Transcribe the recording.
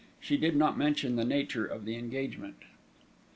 She did not mention the nature of the engagement.